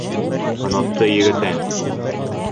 Онотто егетең.